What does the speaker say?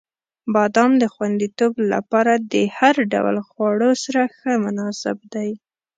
• بادام د خوندیتوب لپاره د هر ډول خواړو سره ښه مناسب دی.